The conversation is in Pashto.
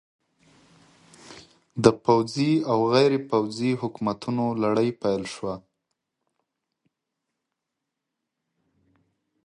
د پوځي او غیر پوځي حکومتونو لړۍ پیل شوه.